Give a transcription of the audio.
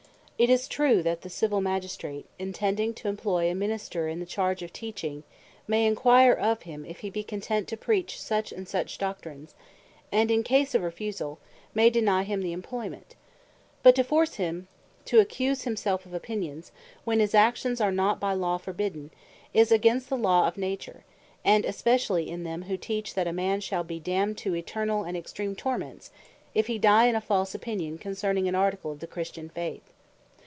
It is true, that the Civill Magistrate, intending to employ a Minister in the charge of Teaching, may enquire of him, if hee bee content to Preach such, and such Doctrines; and in case of refusall, may deny him the employment: But to force him to accuse himselfe of Opinions, when his Actions are not by Law forbidden, is against the Law of Nature; and especially in them, who teach, that a man shall bee damned to Eternall and extream torments, if he die in a false opinion concerning an Article of the Christian Faith.